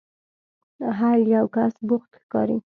هر یو کس بوخت ښکاري.